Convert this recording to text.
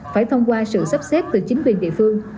phải thông qua sự sắp xếp từ chính quyền địa phương